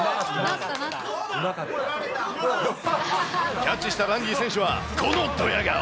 キャッチしたランディ選手はこのドヤ顔。